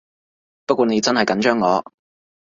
不過你真係緊張我